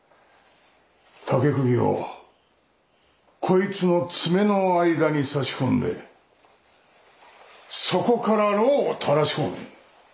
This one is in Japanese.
竹釘をこいつの爪の間に差し込んでそこからろうをたらし込め。